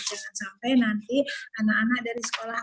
jangan sampai nanti anak anak dari sekolah